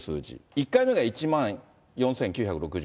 １回目が１万４９６０。